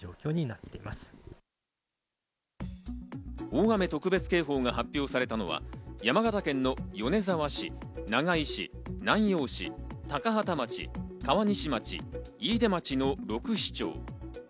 大雨特別警報が発表されたのは山形県の米沢市、長井市、南陽市、高畠町と川西町、飯豊町の６市町。